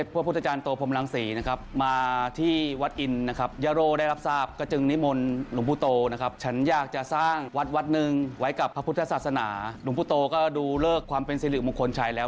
หรือในวัยกับพระพุทธศาสนาหลวงพุโตก็ดูเลิกความเป็นสิริมงคลชัยแล้ว